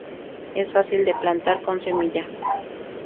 Es fácil de plantar con semilla.